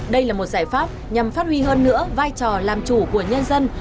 đây là một giải pháp nhằm phát huy hơn nữa vai trò làm chủ của nhân dân